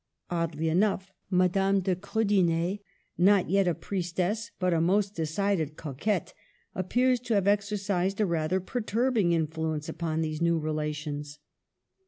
Oddly enough, Madame de Krudener, not yet a priestess, but a most decided coquette, appears to have exercised a rather perturbing influence upon these new relations.